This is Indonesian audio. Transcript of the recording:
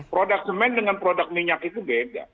produk semen dengan produk minyak itu beda